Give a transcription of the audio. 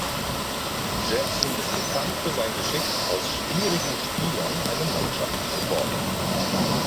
Jackson ist bekannt für sein Geschick, aus „schwierigen“ Spielern eine Mannschaft zu formen.